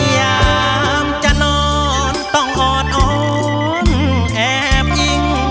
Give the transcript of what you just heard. ยามจะนอนต้องออดอ้อมแอบอิง